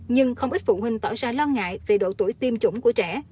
nhưng không ít phụ huynh tỏ ra lo ngại về độ tuổi tiêm chủng của trẻ